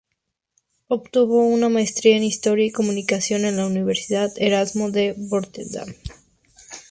Obtuvo una maestría en Historia y Comunicación en la Universidad Erasmo de Róterdam.